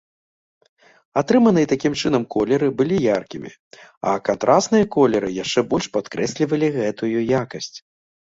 Атрыманыя такім чынам колеры былі яркімі, а кантрасныя колеры яшчэ больш падкрэслівалі гэтую якасць.